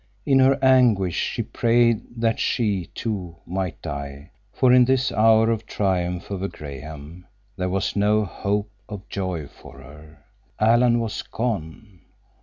In her anguish she prayed that she, too, might die, for in this hour of triumph over Graham there was no hope or joy for her. Alan was gone.